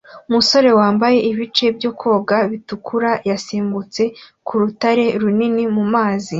Umusore wambaye ibice byo koga bitukura yasimbutse ku rutare runini mu mazi